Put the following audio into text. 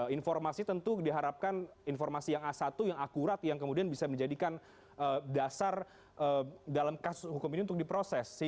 informasi tentu diharapkan informasi yang a satu yang akurat yang kemudian bisa menjadikan dasar dalam kasus hukum ini untuk diproses